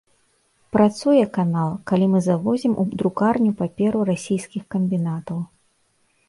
Працуе канал, калі мы завозім у друкарню паперу расійскіх камбінатаў.